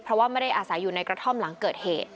เพราะว่าไม่ได้อาศัยอยู่ในกระท่อมหลังเกิดเหตุ